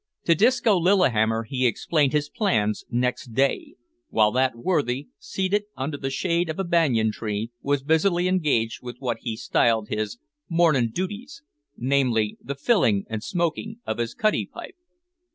To Disco Lillihammer he explained his plans next day, while that worthy, seated under the shade of a banyan tree, was busily engaged with what he styled his "mornin' dooties" namely, the filling and smoking of his cutty pipe.